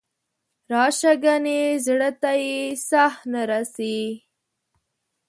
راشه ګنې زړه ته یې ساه نه رسي.